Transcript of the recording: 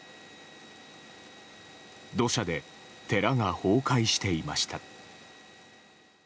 土砂で寺が崩壊していました。